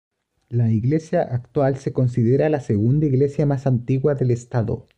La iglesia actual se considera la segunda iglesia más antigua del estado.